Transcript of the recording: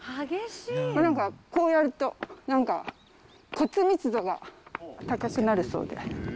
なんかこうやると、なんか、骨密度が高くなるそうで。